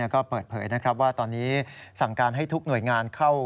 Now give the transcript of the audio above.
ก็เปิดเผยนะครับว่าตอนนี้สั่งการให้ทุกหน่วยงานเข้า